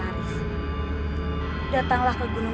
kamu ingin dianggap penulis